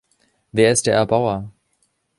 Wer ist der Erbauer?